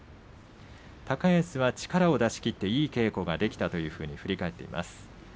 高安は、力を出し切っていい稽古ができたと振り返っています。